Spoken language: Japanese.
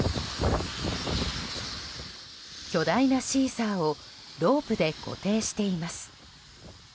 巨大なシーサーをロープで固定しています。